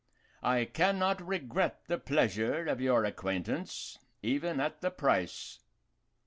I can not regret the pleasure of your acquaintance, even at the price.